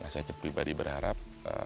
saya pribadi berharap